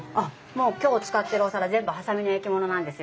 今日使ってるお皿全部波佐見の焼き物なんですよ。